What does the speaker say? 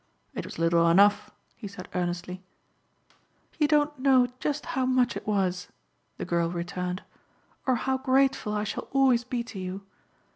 "It was little enough," he said earnestly. "You don't know just how much it was," the girl returned, "or how grateful I shall always be to you.